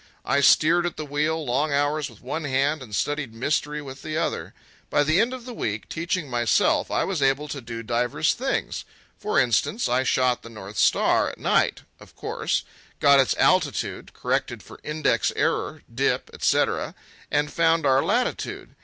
I steered at the wheel long hours with one hand, and studied mystery with the other. By the end of the week, teaching myself, I was able to do divers things. For instance, I shot the North Star, at night, of course; got its altitude, corrected for index error, dip, etc., and found our latitude.